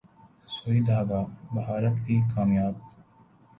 ’سوئی دھاگہ‘ بھارت کی کامیاب